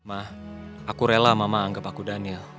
ah aku rela mama anggap aku daniel